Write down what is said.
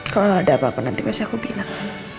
kalau ada apa apa nanti biasanya aku bilang